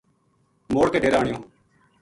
موڑ کے ڈیرے آنیو